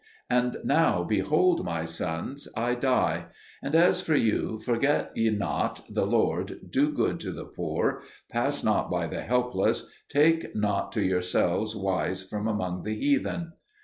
And now behold, my sons, I die; and as for you, forget not ye the Lord, do good to the poor, pass not by the helpless, take not to yourselves wives from among the heathen.